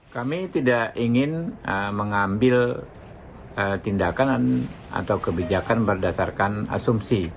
kami tidak ingin mengambil tindakan atau kebijakan berdasarkan asumsi